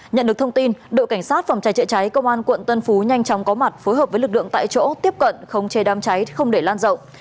nhận được thông tin đội cảnh sát phòng cháy chạy cháy công an quận tân phú nhanh chóng có mặt phối hợp với lực lượng tại chỗ tiếp cận không chê đam cháy không để lan rộng